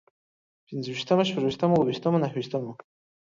پنځه ويشتمو، شپږ ويشتمو، اووه ويشتمو، نهه ويشتمو